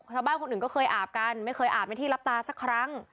คนอื่นก็เคยอาบกันไม่เคยอาบในที่รับตาสักครั้ง